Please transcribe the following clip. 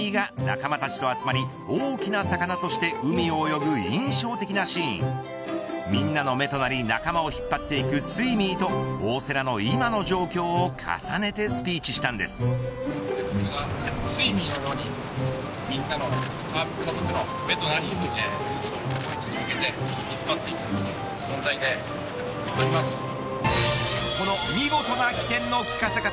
一匹だけ黒い色の小さな魚スイミーが仲間たちと集まり大きな魚として海を泳ぐ印象的なシーンでみんなの目となり仲間を引っ張っていくスイミーと大瀬良の今の状況を重ねてこの見事な起点の利かせ方